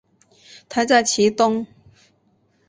台在其东。